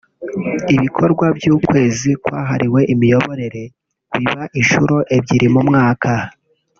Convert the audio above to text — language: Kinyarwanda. Ibkorwa by’ukwezi kwahariwe imiyoborere biba inshuro ebyiri mu mwaka